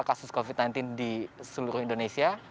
kasus covid sembilan belas di seluruh indonesia